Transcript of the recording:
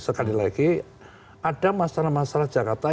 sekali lagi ada masalah masalah jakarta